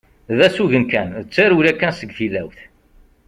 D asugen kan, d tarewla kan seg tillawt.